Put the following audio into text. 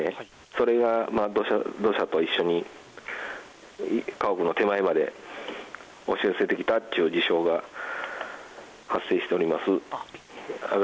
それが土砂と一緒に家屋の手前まで押し寄せてきたという事象が発生しております。